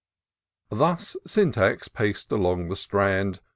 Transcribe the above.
Thus Syntax pac'd along the strand.